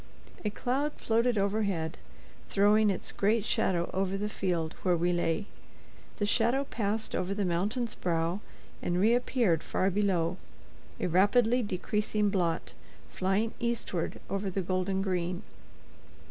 A cloud floated overhead, throwing its great shadow over the field where we lay. The shadow passed over the mountain's brow and reappeared far below, a rapidly decreasing blot, flying eastward over the golden green.